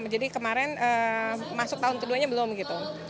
jadi kemarin masuk tahun keduanya belum gitu